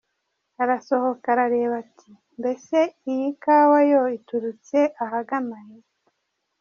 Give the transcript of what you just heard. Arasohoka arareba Ati: mbese iyi kawa Yo iturutse ahagana hehe?.